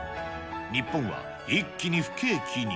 日本は一気に不景気に。